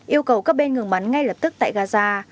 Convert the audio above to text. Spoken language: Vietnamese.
yêu cầu các bên ngừng bắn ngay lập tức tại gaza